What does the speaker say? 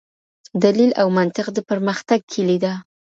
دليل او منطق د پرمختګ کيلي ده.